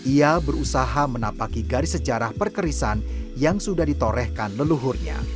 ia berusaha menapaki garis sejarah perkerisan yang sudah ditorehkan leluhurnya